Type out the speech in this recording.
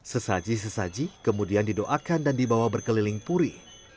sesaji sesaji kemudian didoakan dan dibawa berkeliling puri